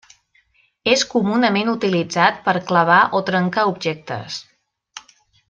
És comunament utilitzat per clavar o trencar objectes.